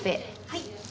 はい。